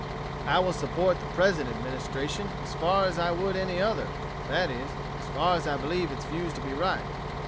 I will support the present Administration as far as I would any other; that is, as far as I believe its views to be right.